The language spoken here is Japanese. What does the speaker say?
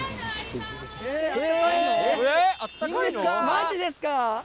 マジですか？